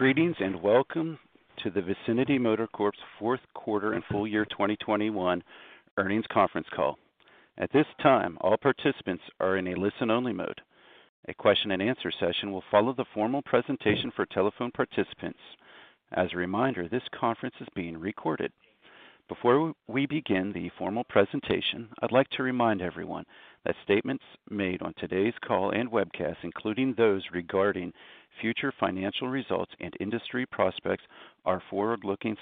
Greetings, and welcome to the Vicinity Motor Corp's fourth quarter and full year 2021 earnings conference call. At this time, all participants are in a listen-only mode. A question and answer session will follow the formal presentation for telephone participants. As a reminder, this conference is being recorded. Before we begin the formal presentation, I'd like to remind everyone that statements made on today's call and webcast, including those regarding future financial results and industry prospects, are forward-looking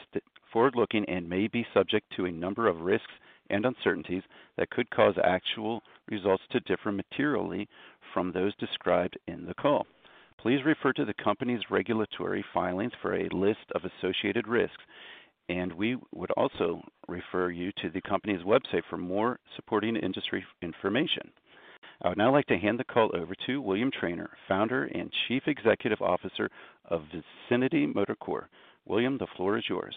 and may be subject to a number of risks and uncertainties that could cause actual results to differ materially from those described in the call. Please refer to the company's regulatory filings for a list of associated risks, and we would also refer you to the company's website for more supporting industry information. I would now like to hand the call over to William Trainer, Founder and Chief Executive Officer of Vicinity Motor Corp. William, the floor is yours.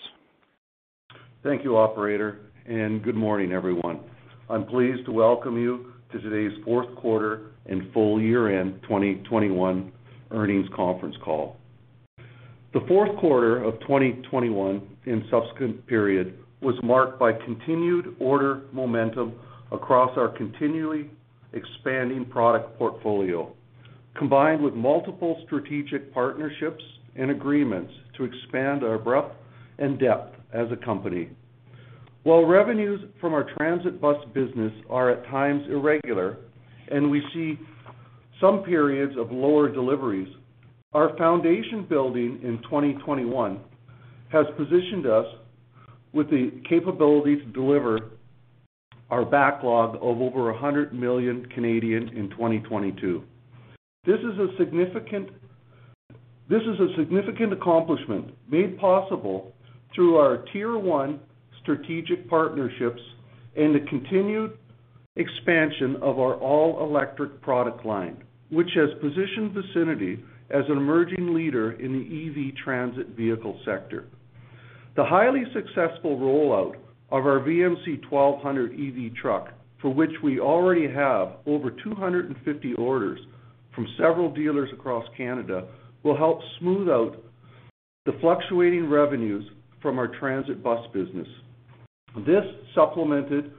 Thank you, operator, and good morning, everyone. I'm pleased to welcome you to today's fourth quarter and full year-end 2021 earnings conference call. The fourth quarter of 2021 and subsequent period was marked by continued order momentum across our continually expanding product portfolio, combined with multiple strategic partnerships and agreements to expand our breadth and depth as a company. While revenues from our transit bus business are at times irregular and we see some periods of lower deliveries, our foundation building in 2021 has positioned us with the capability to deliver our backlog of over 100 million in 2022. This is a significant accomplishment made possible through our tier one strategic partnerships and the continued expansion of our all-electric product line, which has positioned Vicinity as an emerging leader in the EV transit vehicle sector. The highly successful rollout of our VMC 1200 EV truck, for which we already have over 250 orders from several dealers across Canada, will help smooth out the fluctuating revenues from our transit bus business. This supplemented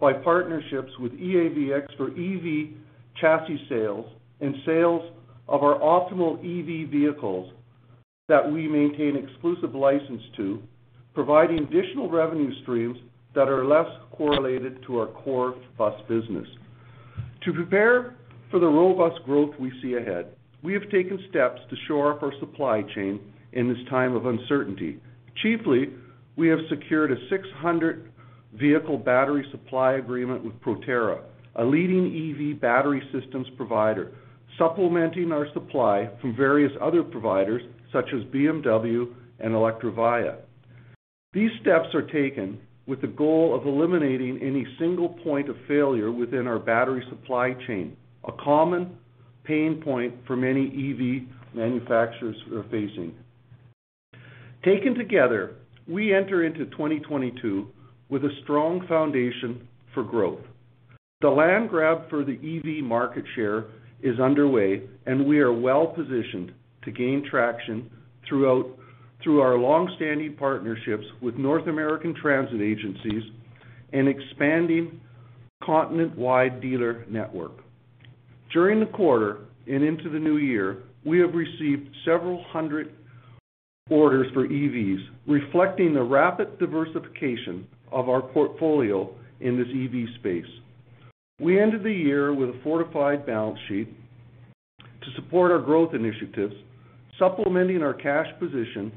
by partnerships with EAVX for EV chassis sales and sales of our Optimal EV vehicles that we maintain exclusive license to, providing additional revenue streams that are less correlated to our core bus business. To prepare for the robust growth we see ahead, we have taken steps to shore up our supply chain in this time of uncertainty. Chiefly, we have secured a 600-vehicle battery supply agreement with Proterra, a leading EV battery systems provider, supplementing our supply from various other providers such as BMW and Electrovaya. These steps are taken with the goal of eliminating any single point of failure within our battery supply chain, a common pain point for many EV manufacturers are facing. Taken together, we enter into 2022 with a strong foundation for growth. The land grab for the EV market share is underway, and we are well-positioned to gain traction through our long-standing partnerships with North American transit agencies and expanding continent-wide dealer network. During the quarter and into the new year, we have received several hundred orders for EVs, reflecting the rapid diversification of our portfolio in this EV space. We ended the year with a fortified balance sheet to support our growth initiatives, supplementing our cash position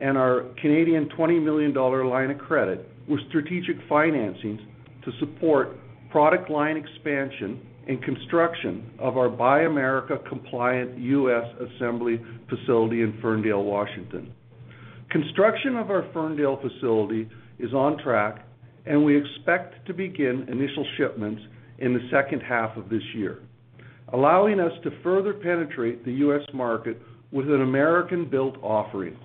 and our Canadian 20 million Canadian dollars line of credit with strategic financings to support product line expansion and construction of our Buy America-compliant U.S. assembly facility in Ferndale, Washington. Construction of our Ferndale facility is on track, and we expect to begin initial shipments in the second half of this year, allowing us to further penetrate the U.S. market with an American-built offering.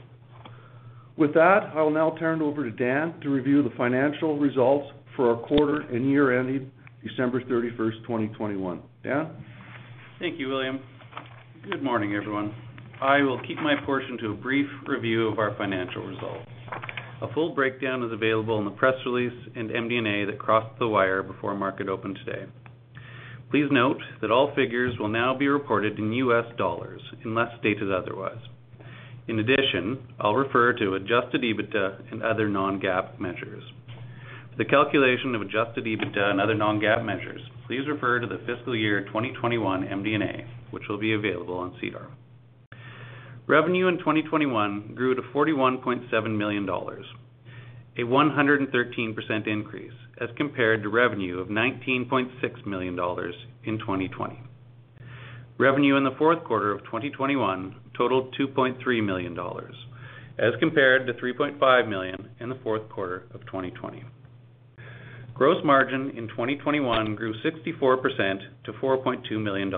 With that, I will now turn it over to Dan to review the financial results for our quarter and year ending December 31, 2021. Dan? Thank you, William. Good morning, everyone. I will keep my portion to a brief review of our financial results. A full breakdown is available in the press release and MD&A that crossed the wire before market open today. Please note that all figures will now be reported in US dollars unless stated otherwise. In addition, I'll refer to adjusted EBITDA and other non-GAAP measures. For the calculation of adjusted EBITDA and other non-GAAP measures, please refer to the fiscal year 2021 MD&A, which will be available on SEDAR. Revenue in 2021 grew to $41.7 million, a 113% increase as compared to revenue of $19.6 million in 2020. Revenue in the fourth quarter of 2021 totaled $2.3 million as compared to $3.5 million in the fourth quarter of 2020. Gross margin in 2021 grew 64% to $4.2 million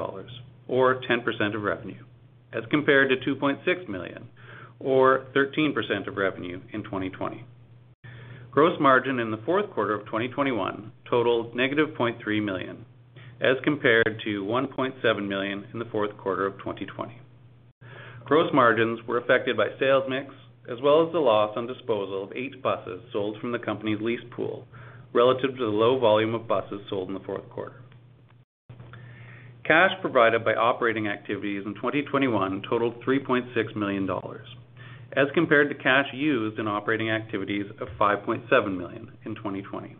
or 10% of revenue, as compared to $2.6 million or 13% of revenue in 2020. Gross margin in the fourth quarter of 2021 totals -$0.3 million, as compared to $1.7 million in the fourth quarter of 2020. Gross margins were affected by sales mix as well as the loss on disposal of 8 buses sold from the company's lease pool relative to the low volume of buses sold in the fourth quarter. Cash provided by operating activities in 2021 totaled $3.6 million, as compared to cash used in operating activities of $5.7 million in 2020.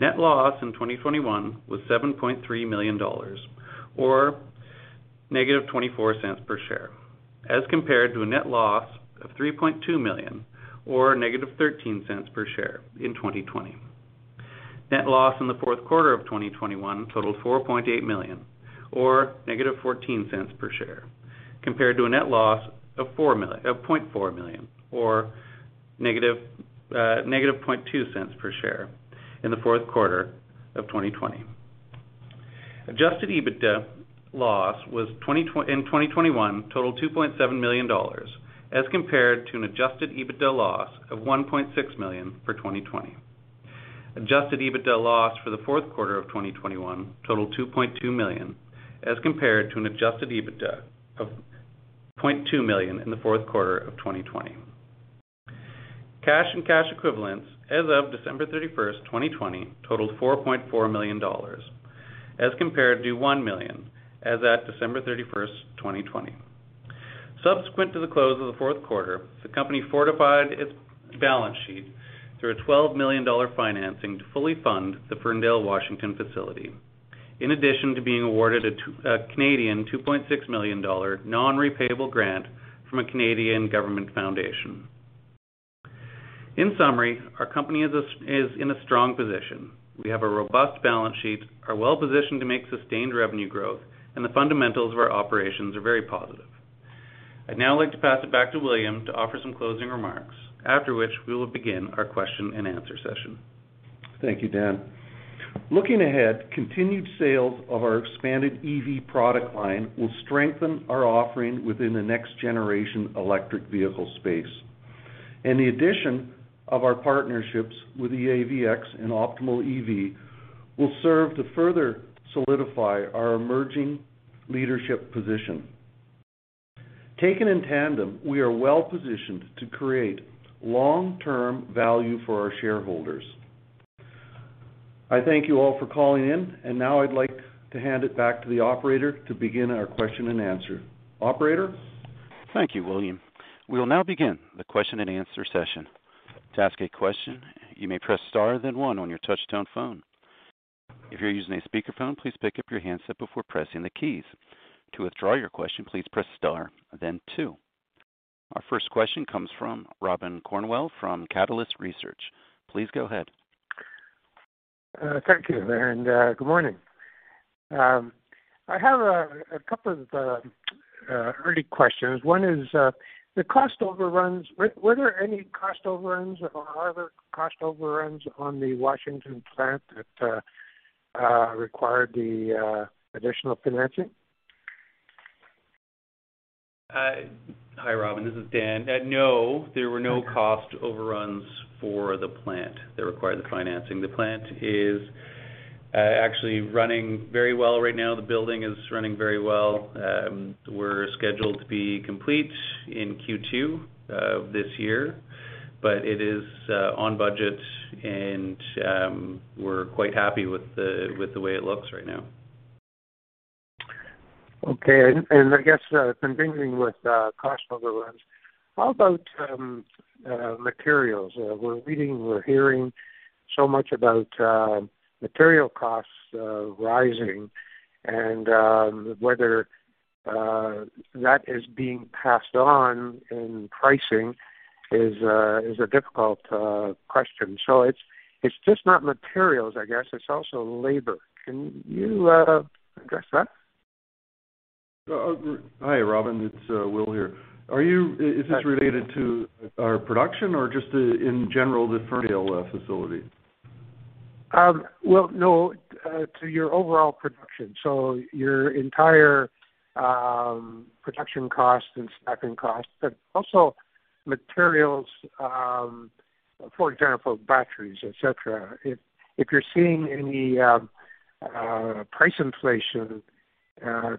Net loss in 2021 was $7.3 million or -$0.24 per share, as compared to a net loss of $3.2 million or -$0.13 per share in 2020. Net loss in the fourth quarter of 2021 totaled $4.8 million or -$0.14 per share, compared to a net loss of $0.4 million or -$0.002 per share in the fourth quarter of 2020. Adjusted EBITDA loss in 2021 totaled $2.7 million, as compared to an adjusted EBITDA loss of $1.6 million for 2020. Adjusted EBITDA loss for the fourth quarter of 2021 totaled $2.2 million, as compared to an adjusted EBITDA of $0.2 million in the fourth quarter of 2020. Cash and cash equivalents as of December 31, 2020, totaled $4.4 million, as compared to $1 million as at December 31, 2021. Subsequent to the close of the fourth quarter, the company fortified its balance sheet through a $12 million financing to fully fund the Ferndale, Washington facility, in addition to being awarded a 2.6 million Canadian dollars non-repayable grant from a Canadian government foundation. In summary, our company is in a strong position. We have a robust balance sheet, are well-positioned to make sustained revenue growth, and the fundamentals of our operations are very positive. I'd now like to pass it back to William to offer some closing remarks, after which we will begin our question-and-answer session. Thank you, Dan. Looking ahead, continued sales of our expanded EV product line will strengthen our offering within the next generation electric vehicle space. The addition of our partnerships with the EAVX and Optimal EV will serve to further solidify our emerging leadership position. Taken in tandem, we are well-positioned to create long-term value for our shareholders. I thank you all for calling in, and now I'd like to hand it back to the operator to begin our question and answer. Operator? Thank you, William. We will now begin the question-and-answer session. To ask a question, you may press star then one on your touch-tone phone. If you're using a speakerphone, please pick up your handset before pressing the keys. To withdraw your question, please press star then two. Our first question comes from Robin Cornwell from Catalyst Equity Research. Please go ahead. Thank you, and good morning. I have a couple of early questions. One is the cost overruns. Were there any cost overruns or are there cost overruns on the Washington plant that required the additional financing? Hi, Robin, this is Dan. No, there were no cost overruns for the plant that required the financing. The plant is actually running very well right now. The building is running very well. We're scheduled to be complete in Q2 this year, but it is on budget, and we're quite happy with the way it looks right now. Okay, I guess continuing with cost overruns, how about materials? We're hearing so much about material costs rising and whether that is being passed on in pricing is a difficult question. It's just not materials, I guess, it's also labor. Can you address that? Hi, Robin. It's Will here. Are you? Is this related to our production or just in general, the Ferndale facility? Well, no, to your overall production. Your entire production costs and staffing costs, but also materials, for example, batteries, et cetera. If you're seeing any price inflation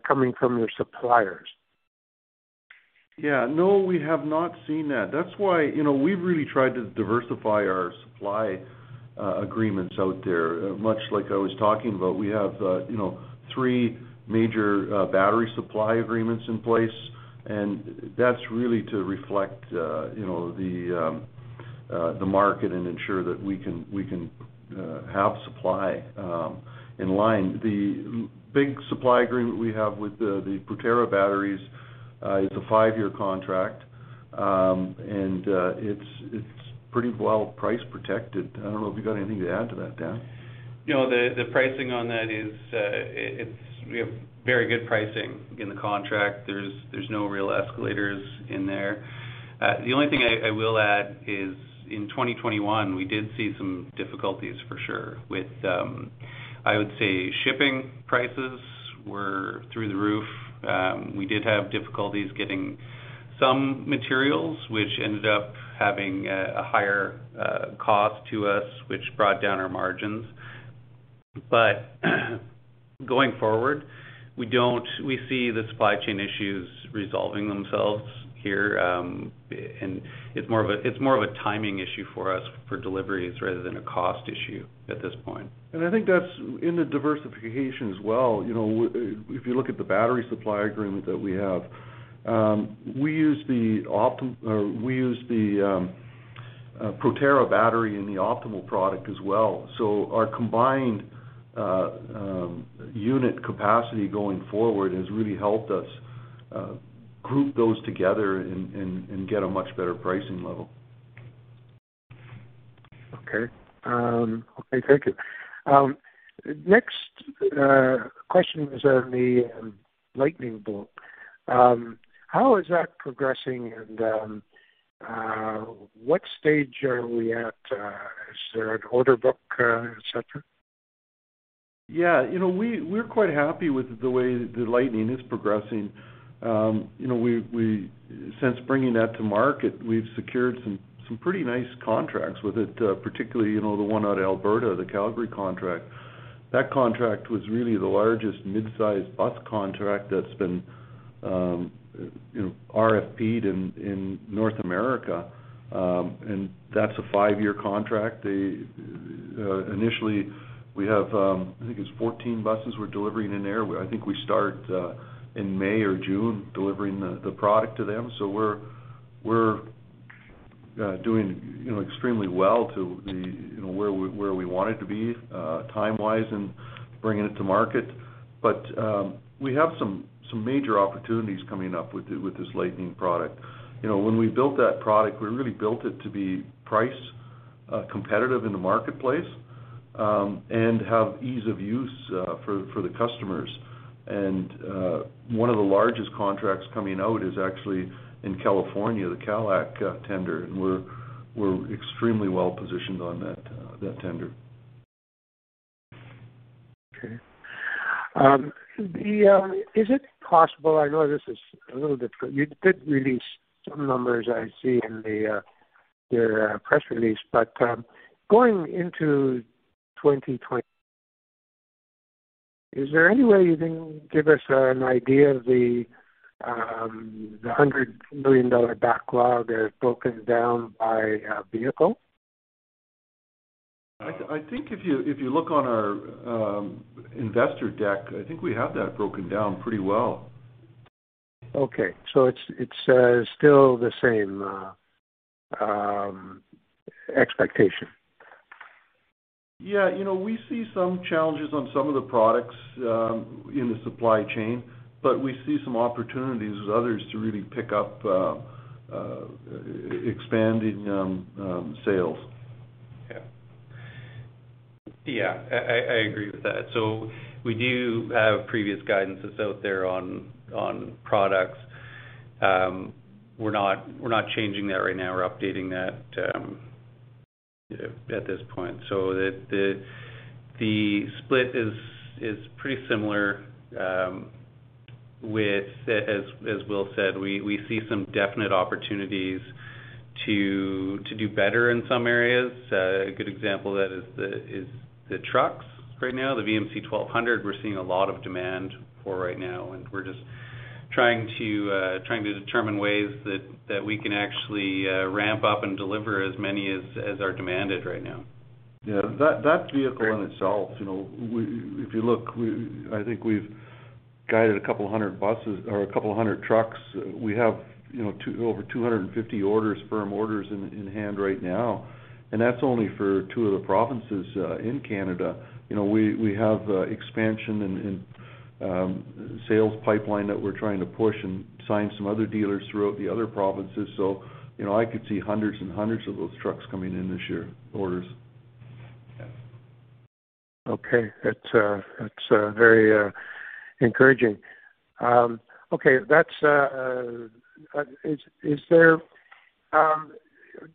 coming from your suppliers? Yeah. No, we have not seen that. That's why, you know, we've really tried to diversify our supply agreements out there. Much like I was talking about, we have, you know, three major battery supply agreements in place, and that's really to reflect, you know, the market and ensure that we can have supply in line. The big supply agreement we have with the Proterra batteries is a five-year contract, and it's pretty well price protected. I don't know if you've got anything to add to that, Dan. You know, the pricing on that is, we have very good pricing in the contract. There's no real escalators in there. The only thing I will add is in 2021, we did see some difficulties for sure with, I would say, shipping prices were through the roof. We did have difficulties getting some materials, which ended up having a higher cost to us, which brought down our margins. Going forward, we see the supply chain issues resolving themselves here, and it's more of a timing issue for us for deliveries rather than a cost issue at this point. I think that's in the diversification as well. You know, if you look at the battery supply agreement that we have, we use the Proterra battery in the optimal product as well. Our combined unit capacity going forward has really helped us group those together and get a much better pricing level. Okay, thank you. Next question is on the Vicinity Lightning. How is that progressing, and what stage are we at? Is there an order book, et cetera? Yeah. You know, we're quite happy with the way the Lightning is progressing. You know, since bringing that to market, we've secured some pretty nice contracts with it, particularly, you know, the one out of Alberta, the Calgary contract. That contract was really the largest mid-sized bus contract that's been RFP'd in North America. That's a five-year contract. Initially, we have, I think it's 14 buses we're delivering in there. I think we start in May or June delivering the product to them. We're doing, you know, extremely well to where we wanted to be, time-wise in bringing it to market. We have some major opportunities coming up with this Lightning product. You know, when we built that product, we really built it to be price competitive in the marketplace, and have ease of use, for the customers. One of the largest contracts coming out is actually in California, the CALACT tender, and we're extremely well positioned on that tender. Okay. Is it possible? I know this is a little bit. You did release some numbers I see in your press release, but going into 2020, is there any way you can give us an idea of the $100 billion backlog that is broken down by vehicle? I think if you look on our investor deck, I think we have that broken down pretty well. Okay, it's still the same expectation. Yeah. You know, we see some challenges on some of the products, in the supply chain, but we see some opportunities with others to really pick up, expanding, sales. Yeah, I agree with that. We do have previous guidances out there on products. We're not changing that right now or updating that at this point. The split is pretty similar with, as Will said, we see some definite opportunities to do better in some areas. A good example is the trucks right now, the VMC 1200. We're seeing a lot of demand for right now, and we're just trying to determine ways that we can actually ramp up and deliver as many as are demanded right now. Yeah. That vehicle in itself, you know, if you look, I think we've guided a couple hundred buses or a couple hundred trucks. We have, you know, over 250 orders, firm orders in hand right now, and that's only for two of the provinces in Canada. You know, we have expansion and sales pipeline that we're trying to push and sign some other dealers throughout the other provinces. I could see hundreds and hundreds of those trucks coming in this year, orders. Yeah. Okay. That's very encouraging. Okay.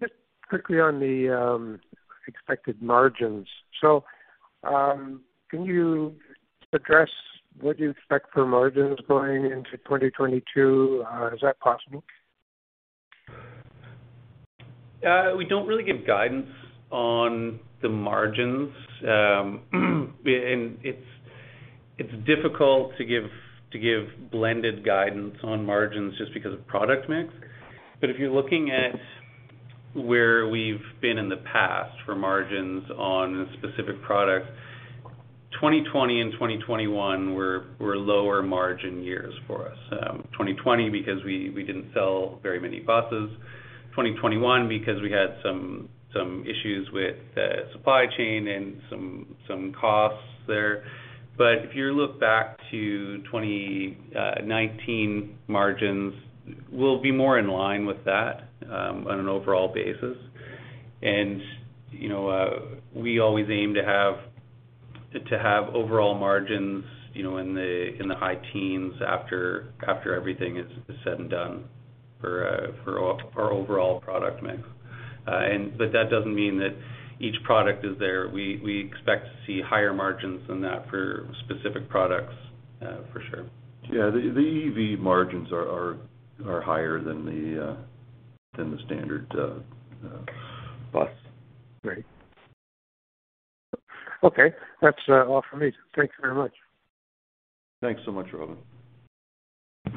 Just quickly on the expected margins. Can you address what you expect for margins going into 2022? Is that possible? We don't really give guidance on the margins. It's difficult to give blended guidance on margins just because of product mix. If you're looking at where we've been in the past for margins on specific products, 2020 and 2021 were lower margin years for us. 2020 because we didn't sell very many buses. 2021 because we had some issues with the supply chain and some costs there. If you look back to 2019 margins, we'll be more in line with that on an overall basis. You know, we always aim to have overall margins, you know, in the high teens after everything is said and done for our overall product mix. that doesn't mean that each product is there. We expect to see higher margins than that for specific products, for sure. Yeah. The EV margins are higher than the standard bus. Great. Okay, that's all for me. Thank you very much. Thanks so much, Robin.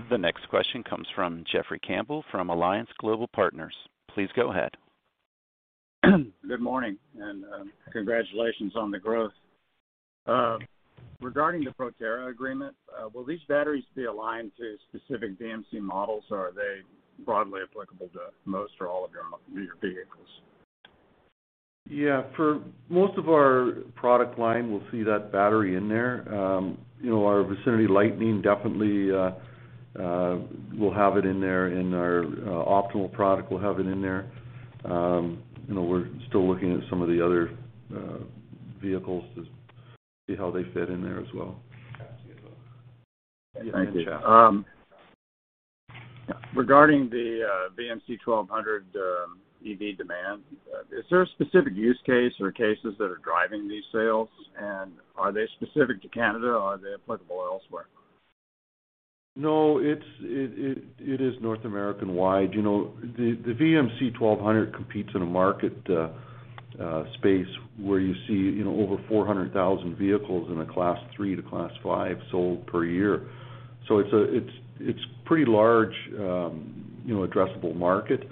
The next question comes from Jeffrey Campbell from Alliance Global Partners. Please go ahead. Good morning, and congratulations on the growth. Regarding the Proterra agreement, will these batteries be aligned to specific VMC models, or are they broadly applicable to most or all of your vehicles? Yeah, for most of our product line, we'll see that battery in there. You know, our Vicinity Lightning definitely will have it in there, and our Optimal product will have it in there. You know, we're still looking at some of the other vehicles to see how they fit in there as well. Absolutely. Thank you. Yeah. Regarding the VMC 1200 EV demand, is there a specific use case or cases that are driving these sales, and are they specific to Canada or are they applicable elsewhere? No, it is North American wide. You know, the VMC 1200 competes in a market space where you see, you know, over 400,000 vehicles in a Class 3 to Class 5 sold per year. It's a pretty large addressable market.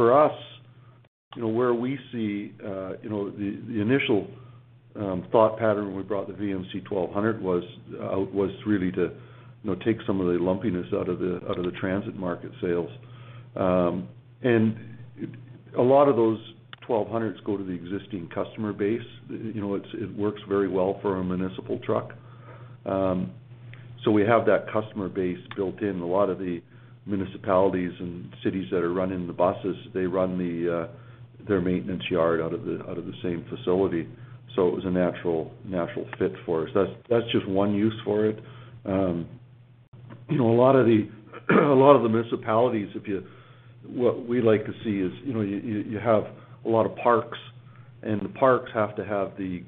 For us, you know, where we see the initial thought pattern when we brought the VMC 1200 was really to take some of the lumpiness out of the transit market sales. A lot of those 1200s go to the existing customer base. You know, it works very well for a municipal truck. We have that customer base built in. A lot of the municipalities and cities that are running the buses, they run their maintenance yard out of the same facility, so it was a natural fit for us. That's just one use for it. You know, a lot of the municipalities, what we like to see is, you know, you have a lot of parks, and the parks have to have the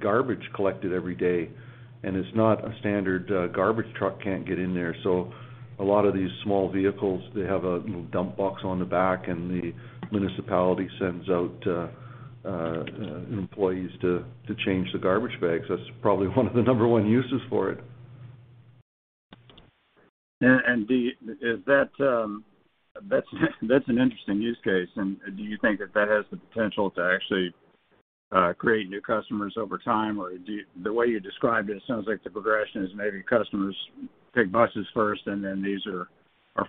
garbage collected every day, and a standard garbage truck can't get in there. So a lot of these small vehicles, they have a little dump box on the back, and the municipality sends out employees to change the garbage bags. That's probably one of the number one uses for it. That's an interesting use case. Do you think that has the potential to actually create new customers over time? Or, the way you described it sounds like the progression is maybe customers take buses first, and then these are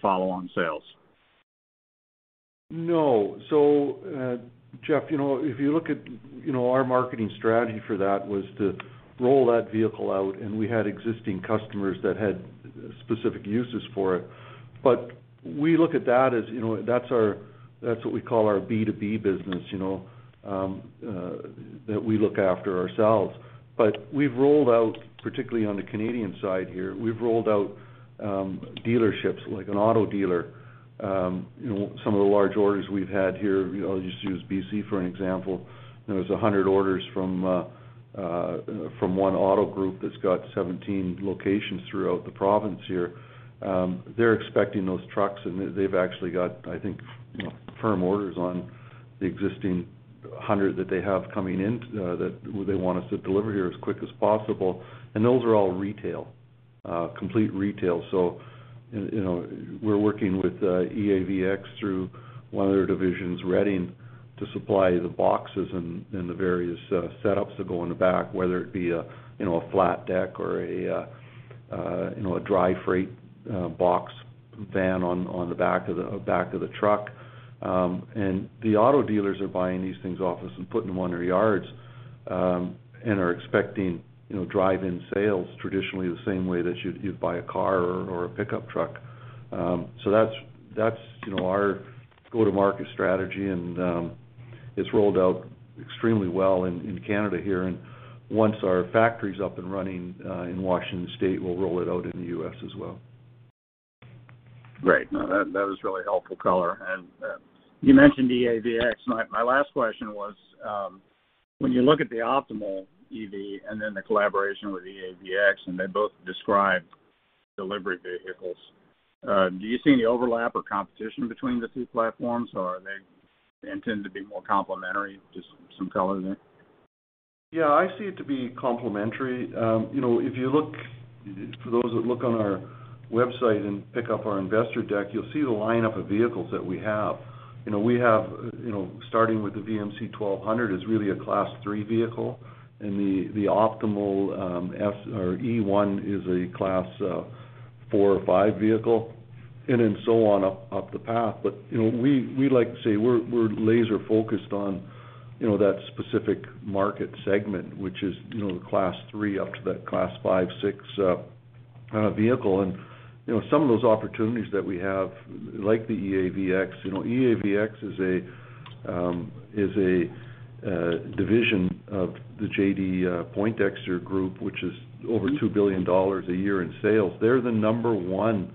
follow-on sales. No. Jeff, you know, if you look at, you know, our marketing strategy for that was to roll that vehicle out, and we had existing customers that had specific uses for it. We look at that as, you know, that's what we call our B2B business, you know, that we look after ourselves. We've rolled out, particularly on the Canadian side here, we've rolled out, dealerships like an auto dealer. You know, some of the large orders we've had here, you know, I'll just use BC for an example. There's 100 orders from one auto group that's got 17 locations throughout the province here. They're expecting those trucks, and they've actually got, I think, you know, firm orders on the existing 100 that they have coming in, that they want us to deliver here as quick as possible. Those are all retail, complete retail. You know, we're working with EAVX through one of their divisions, Reading, to supply the boxes and the various setups that go in the back, whether it be a, you know, flat deck or a, you know, dry freight box van on the back of the truck. The auto dealers are buying these things off us and putting them on their yards, and are expecting, you know, drive-in sales traditionally, the same way that you'd buy a car or a pickup truck. That's our go-to-market strategy, and it's rolled out extremely well in Canada here. Once our factory's up and running in Washington State, we'll roll it out in the U.S. as well. Great. No, that was really helpful color. You mentioned EAVX. My last question was, when you look at the Optimal EV and then the collaboration with EAVX, and they both describe delivery vehicles, do you see any overlap or competition between the two platforms, or are they intended to be more complementary? Just some color there. Yeah, I see it to be complementary. You know, if you look, for those that look on our website and pick up our investor deck, you'll see the lineup of vehicles that we have. You know, we have, you know, starting with the VMC 1200 is really a Class 3 vehicle, and the Optimal S1 or E1 is a Class 4 or 5 vehicle, and then so on up the path. You know, we like to say we're laser-focused on, you know, that specific market segment, which is, you know, the Class 3 up to that Class 5, 6 vehicle. You know, some of those opportunities that we have, like the EAVX. EAVX is a division of the J.B. Poindexter Group, which is over $2 billion a year in sales. They're the number one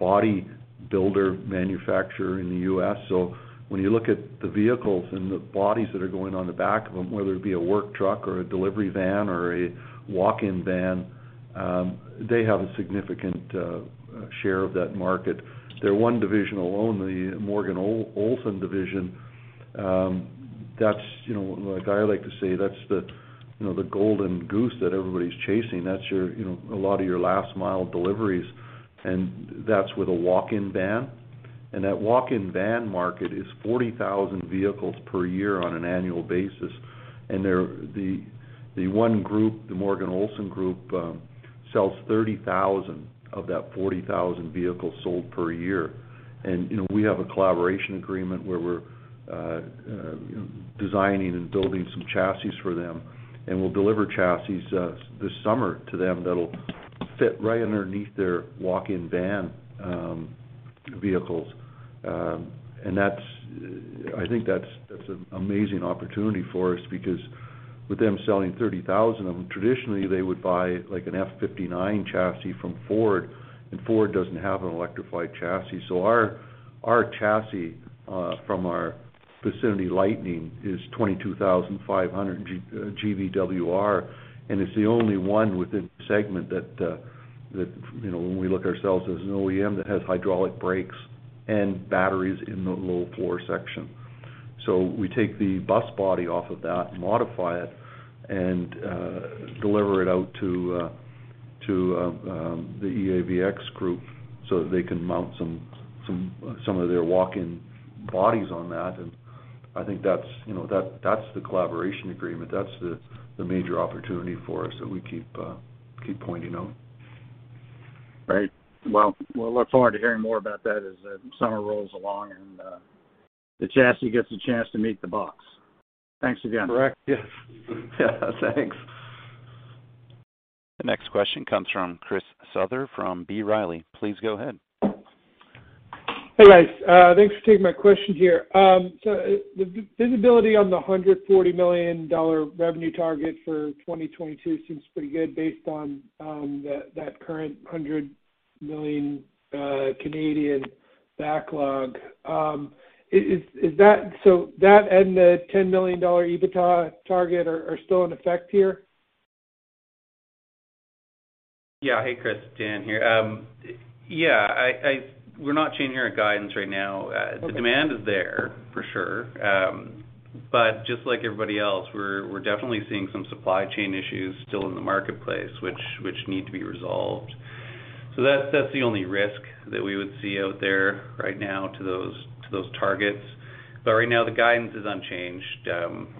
body builder manufacturer in the U.S. When you look at the vehicles and the bodies that are going on the back of them, whether it be a work truck or a delivery van or a walk-in van, they have a significant share of that market. Their one division alone, the Morgan Olson division, that's, you know, like I like to say, that's the, you know, the golden goose that everybody's chasing. That's your, you know, a lot of your last mile deliveries, and that's with a walk-in van. That walk-in van market is 40,000 vehicles per year on an annual basis. The one group, the Morgan Olson group, sells 30,000 of that 40,000 vehicles sold per year. You know, we have a collaboration agreement where we're you know designing and building some chassis for them, and we'll deliver chassis this summer to them that'll fit right underneath their walk-in van vehicles. That's, I think, that's an amazing opportunity for us because with them selling 30,000 of them, traditionally they would buy like an F-59 chassis from Ford, and Ford doesn't have an electrified chassis. Our chassis from our Vicinity Lightning is 22,500 GVWR, and it's the only one within the segment that you know when we look ourselves as an OEM that has hydraulic brakes and batteries in the low floor section. We take the bus body off of that, modify it, and deliver it out to the EAVX group so that they can mount some of their walk-in bodies on that. I think that's, you know, that's the collaboration agreement. That's the major opportunity for us that we keep pointing out. Right. Well, we'll look forward to hearing more about that as summer rolls along and the chassis gets a chance to meet the box. Thanks again. Correct. Yes. Yeah. Thanks. The next question comes from Christopher Souther from B. Riley. Please go ahead. Hey, guys. Thanks for taking my question here. So, the visibility on the $140 million revenue target for 2022 seems pretty good based on that current 100 million Canadian backlog. Is that and the $10 million EBITDA target still in effect here? Yeah. Hey, Chris. Dan here. Yeah, we're not changing our guidance right now. Okay. The demand is there, for sure. Just like everybody else, we're definitely seeing some supply chain issues still in the marketplace, which need to be resolved. That's the only risk that we would see out there right now to those targets. Right now, the guidance is unchanged.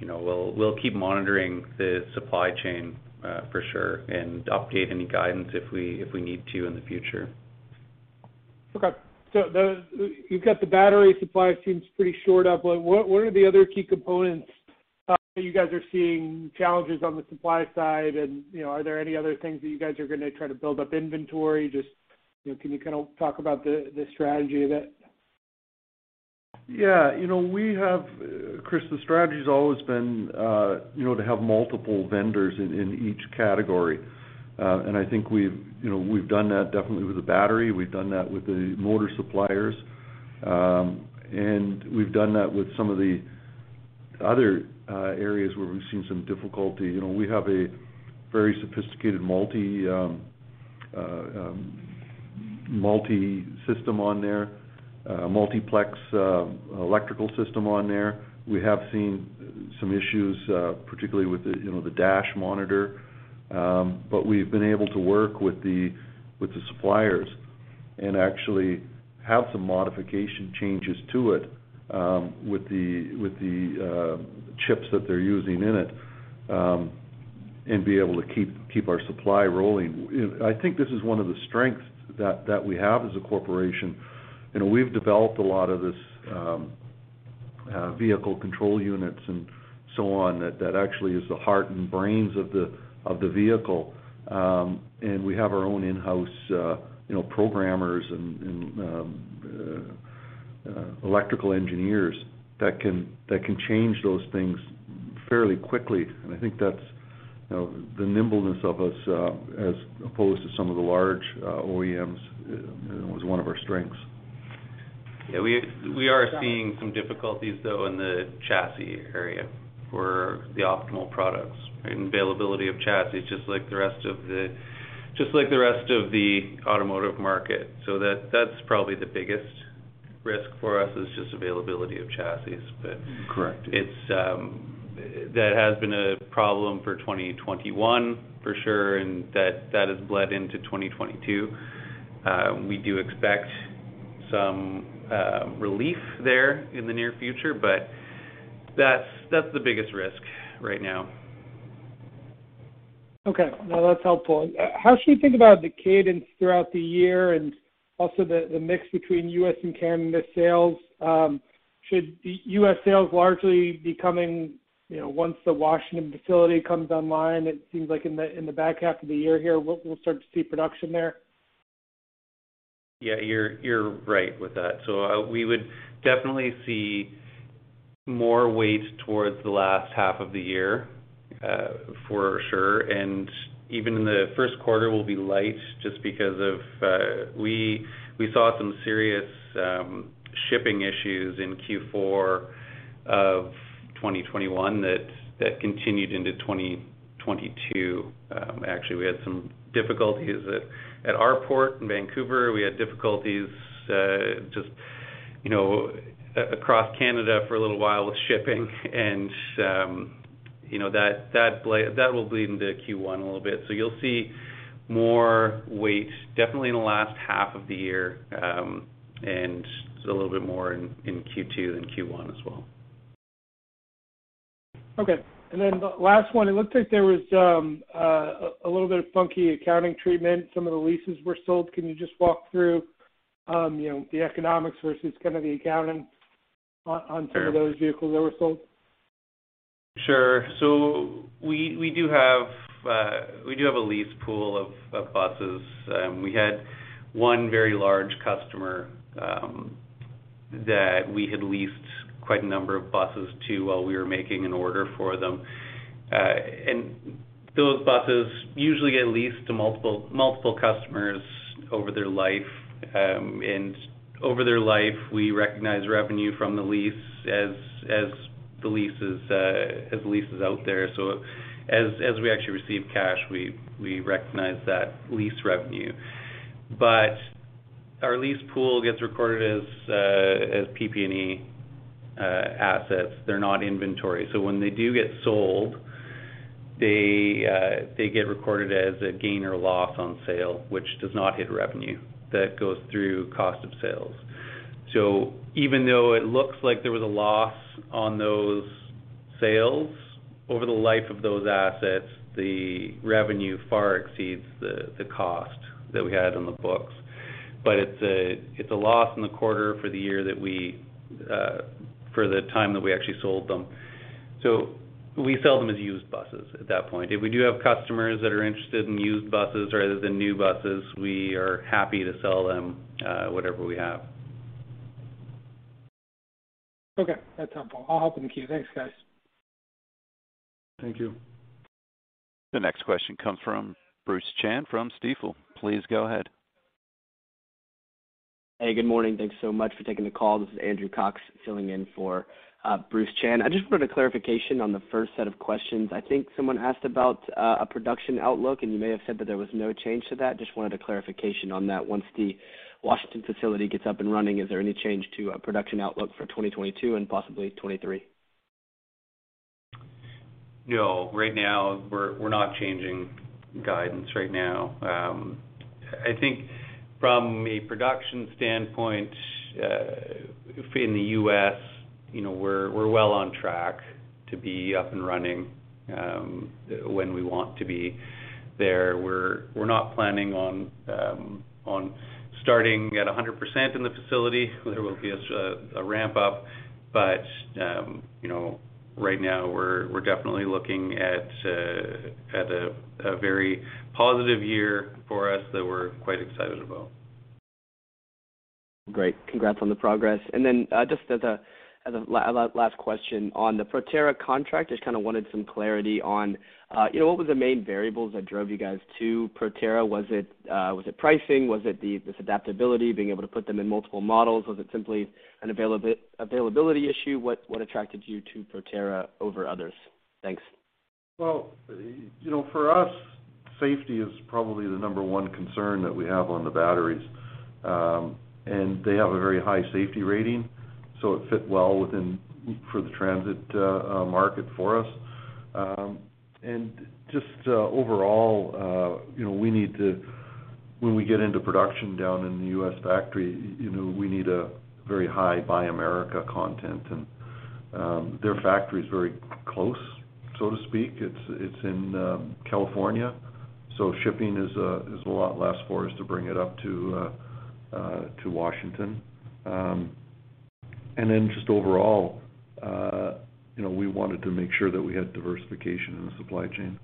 You know, we'll keep monitoring the supply chain, for sure and update any guidance if we need to in the future. Okay. You've got the battery supply seems pretty shored up. Like, what are the other key components that you guys are seeing challenges on the supply side? You know, are there any other things that you guys are gonna try to build up inventory? Just, you know, can you kinda talk about the strategy of it? Yeah. You know, we have, Chris, the strategy's always been, you know, to have multiple vendors in each category. I think we've you know done that definitely with the battery. We've done that with the motor suppliers. We've done that with some of the other areas where we've seen some difficulty. You know, we have a very sophisticated multiplex electrical system on there. We have seen some issues, particularly with the, you know, the dash monitor. But we've been able to work with the suppliers and actually have some modification changes to it, with the chips that they're using in it, and be able to keep our supply rolling. I think this is one of the strengths that we have as a corporation. You know, we've developed a lot of these vehicle control units and so on that actually is the heart and brains of the vehicle. We have our own in-house programmers and electrical engineers that can change those things fairly quickly. I think that's the nimbleness of us as opposed to some of the large OEMs was one of our strengths. Yeah. We are seeing some difficulties though in the chassis area for the optimal products and availability of chassis, just like the rest of the automotive market. That's probably the biggest risk for us is just availability of chassis. But Correct. That has been a problem for 2021 for sure, and that has bled into 2022. We do expect some relief there in the near future, but that's the biggest risk right now. Okay. No, that's helpful. How should we think about the cadence throughout the year and also the mix between U.S. and Canada sales? Should U.S. sales largely be coming, you know, once the Washington facility comes online? It seems like in the back half of the year here, we'll start to see production there. Yeah, you're right with that. We would definitely see more weight towards the last half of the year, for sure, even the first quarter will be light just because we saw some serious shipping issues in Q4 of 2021 that continued into 2022. Actually, we had some difficulties at our port in Vancouver. We had difficulties just, you know, across Canada for a little while with shipping. That will bleed into Q1 a little bit. You'll see more weight definitely in the last half of the year, and just a little bit more in Q2 than Q1 as well. Okay. Then the last one, it looked like there was a little bit of funky accounting treatment. Some of the leases were sold. Can you just walk through you know, the economics versus kind of the accounting on some of those vehicles that were sold? Sure. We do have a lease pool of buses. We had one very large customer that we had leased quite a number of buses to while we were making an order for them. Those buses usually get leased to multiple customers over their life. Over their life, we recognize revenue from the lease as the lease is out there. As we actually receive cash, we recognize that lease revenue. Our lease pool gets recorded as PP&E assets. They're not inventory. When they do get sold, they get recorded as a gain or loss on sale, which does not hit revenue. That goes through cost of sales. Even though it looks like there was a loss on those sales, over the life of those assets, the revenue far exceeds the cost that we had on the books. It's a loss in the quarter for the time that we actually sold them. We sell them as used buses at that point. If we do have customers that are interested in used buses rather than new buses, we are happy to sell them whatever we have. Okay, that's helpful. I'll hop in the queue. Thanks, guys. Thank you. The next question comes from Andrew Cox from Stifel. Please go ahead. Hey, good morning. Thanks so much for taking the call. This is Andrew Cox filling in for Bruce Chan. I just wanted a clarification on the first set of questions. I think someone asked about a production outlook, and you may have said that there was no change to that. Just wanted a clarification on that. Once the Washington facility gets up and running, is there any change to production outlook for 2022 and possibly 2023? No. Right now, we're not changing guidance right now. I think from a production standpoint, in the U.S., you know, we're well on track to be up and running when we want to be there. We're not planning on starting at 100% in the facility. There will be a ramp up. You know, right now we're definitely looking at a very positive year for us that we're quite excited about. Great. Congrats on the progress. Then, just as a last question on the Proterra contract, just kinda wanted some clarity on, you know, what were the main variables that drove you guys to Proterra? Was it pricing? Was it this adaptability, being able to put them in multiple models? Was it simply an availability issue? What attracted you to Proterra over others? Thanks. Well, you know, for us, safety is probably the number one concern that we have on the batteries. They have a very high safety rating, so it fit well within for the transit market for us. Just overall, you know, when we get into production down in the U.S. factory, you know, we need a very high Buy America content. Their factory is very close, so to speak. It's in California, so shipping is a lot less for us to bring it up to Washington. Then just overall, you know, we wanted to make sure that we had diversification in the supply chain.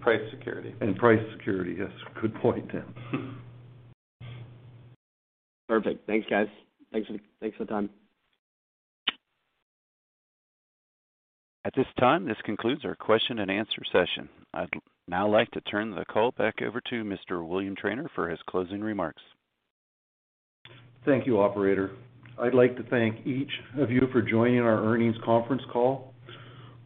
Price security. Price security, yes. Good point. Perfect. Thanks, guys. Thanks for the time. At this time, this concludes our question and answer session. I'd now like to turn the call back over to Mr. William Trainer for his closing remarks. Thank you, Operator. I'd like to thank each of you for joining our earnings conference call.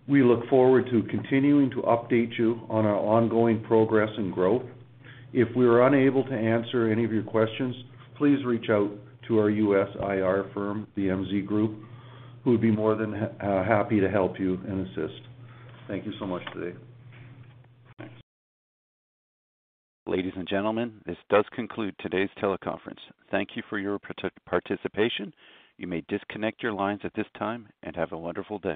We look forward to continuing to update you on our ongoing progress and growth. If we were unable to answer any of your questions, please reach out to our U.S. IR firm, the MZ Group, who would be more than happy to help you and assist. Thank you so much today. Ladies and gentlemen, this does conclude today's teleconference. Thank you for your participation. You may disconnect your lines at this time, and have a wonderful day.